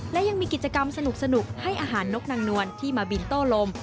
และยังมีกิจกรรมสนุกให้อาหารนกนางนวลที่มาบินโต้ลม